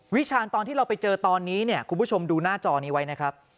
วิชาณตอนที่เราไปเจอตอนนี้เนี่ยคุณผู้ชมดูหน้าจอนี้ไว้นะครับ